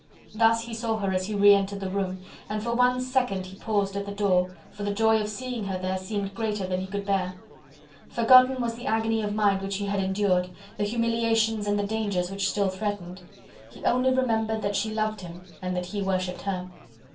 Thus he saw her as he re entered the room, and for one second he paused at the door, for the joy of seeing her there seemed greater than he could bear. Forgotten was the agony of mind which he had endured, the humiliations and the dangers which still threatened: he only remembered that she loved him and that he worshipped her.